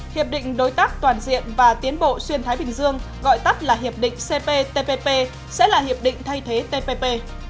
hiệp định đối tác toàn diện và tiến bộ xuyên thái bình dương gọi tắt là hiệp định cptpp sẽ là hiệp định thay thế tpp